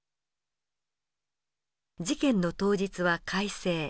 事件の当日は快晴。